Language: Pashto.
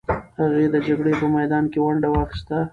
هغې د جګړې په میدان کې ونډه واخیسته.